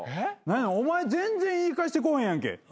何やお前全然言い返してこうへんやんけ。